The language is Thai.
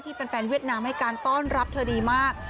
แฟนเวียดนามให้การต้อนรับเธอดีมาก